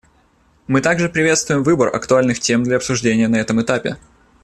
Мы также приветствуем выбор актуальных тем для обсуждения на этом этапе.